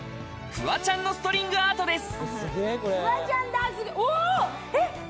フワちゃんのストリングアートです